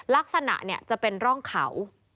ลักษณะจะเป็นร่องเขา